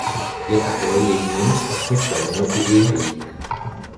Je také jedním z osmi členů Ivy League.